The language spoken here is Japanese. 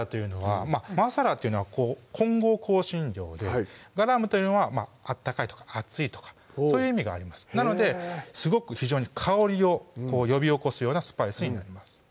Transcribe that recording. マサラというのは混合香辛料でガラムというのは温かいとか熱いとかそういう意味がありますなので非常に香りを呼び起こすようなスパイスになります